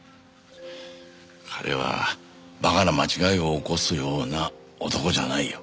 彼は馬鹿な間違いを起こすような男じゃないよ。